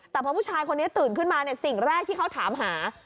แต่พอผู้ชายคนนี้ตื่นขึ้นมาสิ่งแรกที่เขาถามหา